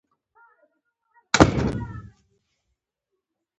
افغانستان د وحشي حیواناتو د ترویج لپاره پروګرامونه لري.